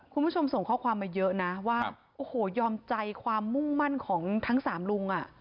คุณผู้ชมส่งข้อความมาเยอะนะว่าโอ้โหยอมใจความมุ่งมั่นของทั้งสามลุงอ่ะ